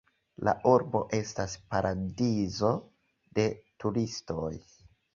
La urbo estas paradizo de turistoj.